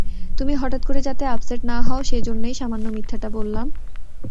তুমি হঠাৎ করে যাতে আপসেট না-হও সে-জন্যেই সামান্য মিথ্যাটা বললাম।